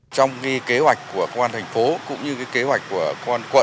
trong cái kế hoạch của quan thành phố cũng như cái kế hoạch của quan quận